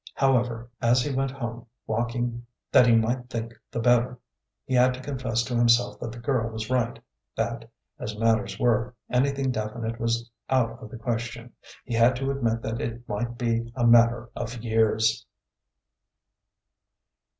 However, as he went home, walking that he might think the better, he had to confess to himself that the girl was right; that, as matters were, anything definite was out of the question. He had to admit that it might be a matter of years.